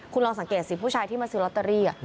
คุณลองสังเกตสิผู้ชายที่มาซื้อลอตเตอรี่